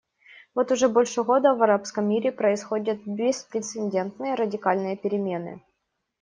Вот уже больше года в арабском мире происходят беспрецедентные радикальные перемены.